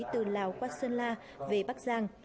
từ lào quát sơn la về bắc giang